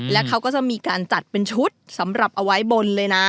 แล้วเขาก็จะมีการจัดเป็นชุดสำหรับเอาไว้บนเลยนะ